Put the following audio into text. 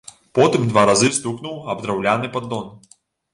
Потым два разы стукнуў аб драўляны паддон.